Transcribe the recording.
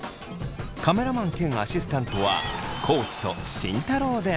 カメラマン兼アシスタントは地と慎太郎です。